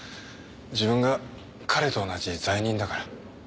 自分が彼と同じ罪人だから。